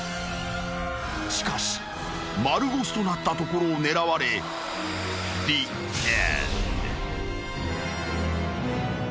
［しかし丸腰となったところを狙われジ・エンド］